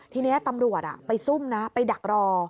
ทีนี้ตำรวจไปซุ่มนะไปดักรอ